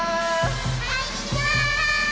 こんにちは！